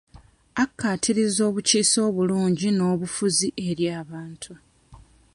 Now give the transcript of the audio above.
Akkaatiriza obukiise obulungi n'obufuzi eri abantu.